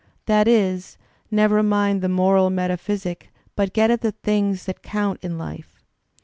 That is, never mind the moral metaphysic but get at the things that count in life.